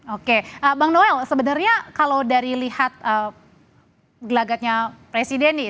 oke bang noel sebenarnya kalau dari lihat gelagatnya presiden nih